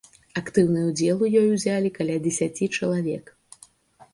Актыўны ўдзел у ёй узялі каля дзесяці чалавек.